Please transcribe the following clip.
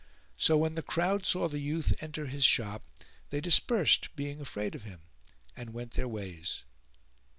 So when the crowd saw the youth enter his shop, they dispersed being afraid of him, and went their ways.